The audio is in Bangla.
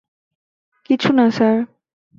কিছু না, স্যার।